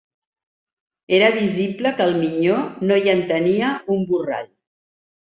Era visible que el minyó no hi entenia un borrall